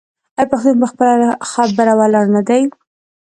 آیا پښتون په خپله خبره ولاړ نه دی؟